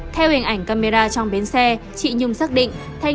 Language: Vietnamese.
theo hình ảnh camera trong bến xe chị nhung xác định thanh